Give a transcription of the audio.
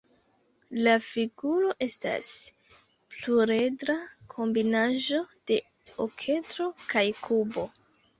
La figuro estas pluredra kombinaĵo de okedro kaj kubo.